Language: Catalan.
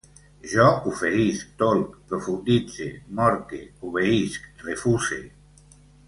Jo oferisc, tolc, profunditze, morque, obeïsc, refuse